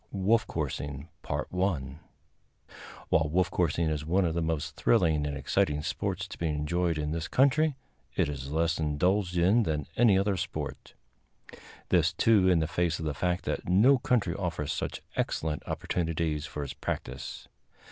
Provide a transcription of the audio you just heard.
_ Wolf Coursing While wolf coursing is one of the most thrilling and exciting sports to be enjoyed in this country, it is less indulged in than any other sport; this, too, in the face of the fact that no country offers such excellent opportunities for its practice.